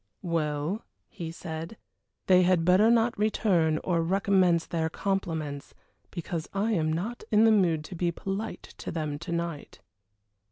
"Well," he said, "they had better not return or recommence their compliments, because I am not in the mood to be polite to them to night."